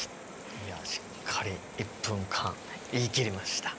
いやしっかり１分間言い切りました。